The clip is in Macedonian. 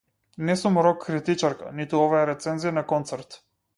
Не сум рок критичарка, ниту ова е рецензија на концерт.